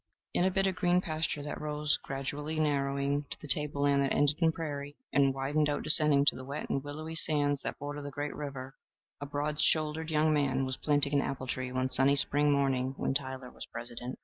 In a bit of green pasture that rose, gradually narrowing, to the tableland that ended in prairie, and widened out descending to the wet and willowy sands that border the Great River, a broad shouldered young man was planting an apple tree one sunny spring morning when Tyler was President.